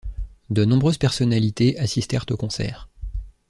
De nombreuses personnalités assistèrent au concerts.